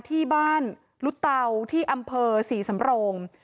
ที่บ้านลุเตาที่อำเภอศรีสำโรง